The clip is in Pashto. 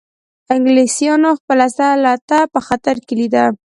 انګلیسانو خپله سلطه په خطر کې لیده.